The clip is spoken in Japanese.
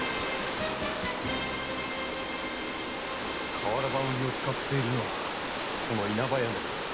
瓦版売りを使っているのは稲葉屋のようだな。